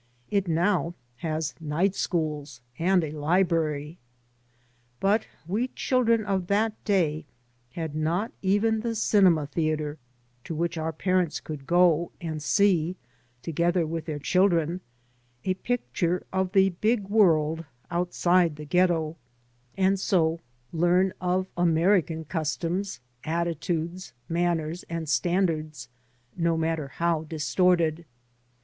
It now has night schools, and a library. But we chil dren of that day had not even the cinema theatre, to which our parents could go, and see, together with their children, a picture of the big world outside the ghetto, and so learn 3 by Google MY MOTHER AND 1 of American customs, attitudes, manners, and standards, no matter how distorted.